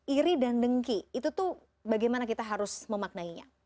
iri dan dengki itu tuh bagaimana kita harus memaknainya